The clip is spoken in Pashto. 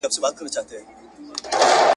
شاوخوا ټوله خالي ده بل ګلاب نه معلومیږي !.